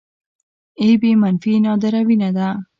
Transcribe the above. اې بي منفي نادره وینه ده